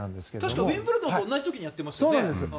確かウィンブルドンと同じ時にやってますよね。